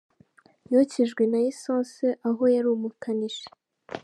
Yokejwe na Essance aho yari umukanishi.